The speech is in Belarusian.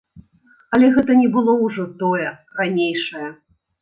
Але гэта не было ўжо тое, ранейшае.